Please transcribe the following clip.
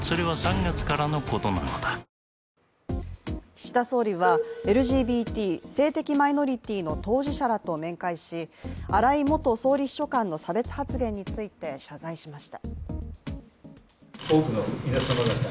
岸田総理はＬＧＢＴ＝性的マイノリティの当事者らと面会し荒井元総理秘書官の差別発言について謝罪しました。